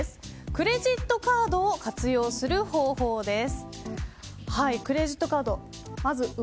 クレジットカードを活用する方法です。